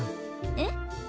えっ？